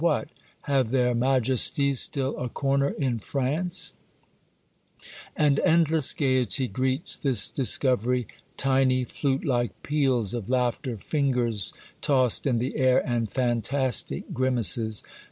What ! have their Majesties still a corner in France ?" And endless gayety greets this discovery, tiny, flute like peals of laughter, fingers tossed in the air, and fantastic grimaces.